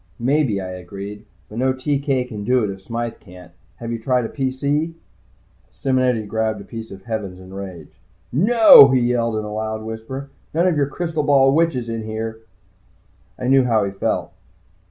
"Maybe," I agreed. "But no TK can do it if Smythe can't. Have you tried a PC?" Simonetti grabbed a piece of the heavens in rage. "No!" he yelled in his loud whisper. "None of your crystal ball witches in here!" I knew how he felt.